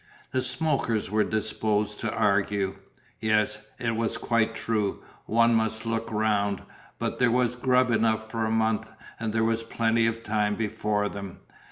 The smokers were disposed to argue. Yes, it was quite true, one must look round, but there was grub enough for a month and there was plenty of time before them.